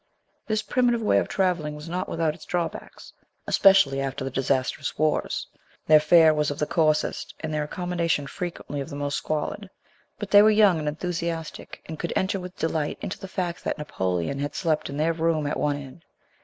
This primitive way of travelling was not without its drawbacks, especially after the disastrous wars. Their fare was of the coarsest, and their accommodation frequently of the most squalid ; but they were young and enthusiastic, and could enter with delight into the fact that Napo leon had slept in their room at one inn.